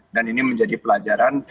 dan ini menjadi pelajaran